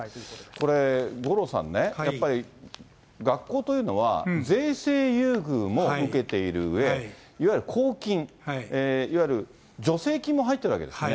これ、五郎さんね、やっぱり学校というのは、税制優遇も受けているうえ、いわゆる公金、いわゆる助成金も入ってるわけですね。